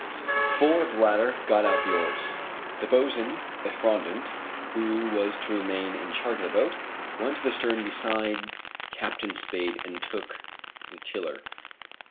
Four of the latter got out the oars. The boatswain, Effrondat, who was to remain in charge of the boat, went to the stern beside Captain Spade and took the tiller.